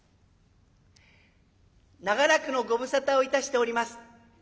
「長らくのご無沙汰をいたしております。